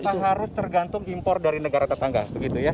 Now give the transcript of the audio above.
apakah harus tergantung impor dari negara tetangga begitu ya